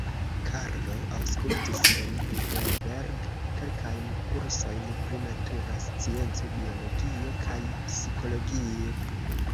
Karlo aŭskultis en Heidelberg kelkajn kursojn pri natura scienco, biologio kaj psikologio.